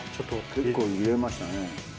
結構入れましたね。